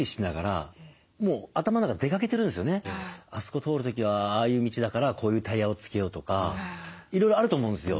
あそこ通る時はああいう道だからこういうタイヤをつけようとかいろいろあると思うんですよ